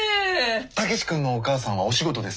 武志君のお母さんはお仕事ですか？